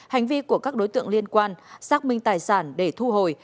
hành vi của các đối tượng liên quan xác minh tài sản để thu hồi